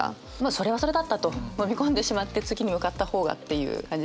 それはそれだったと飲み込んでしまって次に向かった方がっていう感じですかね。